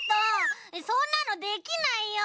そんなのできないよ！